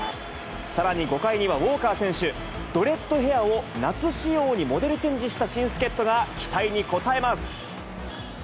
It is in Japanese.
さらに５回にはウォーカー選手、ドレッドヘアを夏仕様にモデルチェンジした新助っ人が、期待に応えます。